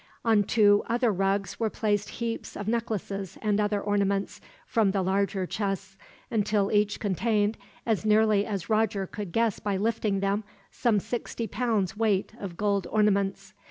On two other rugs were placed heaps of necklaces and other ornaments from the larger chests, until each contained, as nearly as Roger could guess by lifting them, some sixty pounds' weight of gold ornaments.